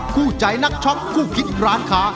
คู่ใจนักช็อคคู่คิดร้านค้า